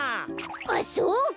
あっそうか！